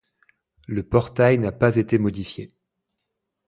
Le portail n'a pas été modifié.